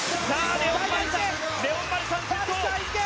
レオン・マルシャン先頭！